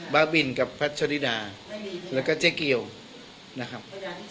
บ้าบินกับพัชริดาแล้วก็เจ๊เกียวนะครับ